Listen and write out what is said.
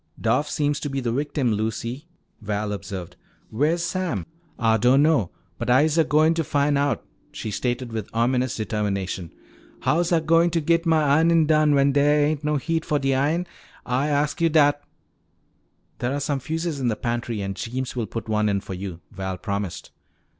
"Doff seems to be the victim, Lucy," Val observed. "Where's Sam?" "Ah don' know. But I'se a goin' to fin' out!" she stated with ominous determination. "How's Ah a goin' to git mah ironin' done when dere ain't no heat fo' de iron? Ah asks yo' dat!" "There are some fuses in the pantry and Jeems will put one in for you," Val promised.